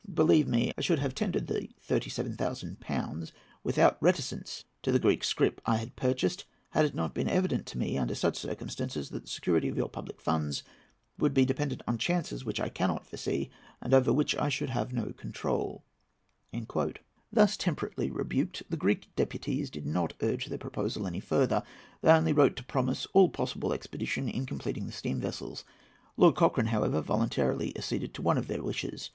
Believe me, I should have tendered the 37,000£, without reference to the Greek scrip I had purchased, had it not been evident to me that, under such circumstances, the security of your public funds would be dependent on chances which I cannot foresee, and over which I should have no control." Thus temperately rebuked, the Greek deputies did not urge their proposal any further. They only wrote to promise all possible expedition in completing the steam vessels. Lord Cochrane, however, voluntarily acceded to one of their wishes.